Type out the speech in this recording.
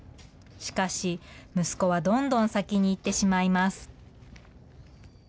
しかし息子はどんどん先に行ってしまいます。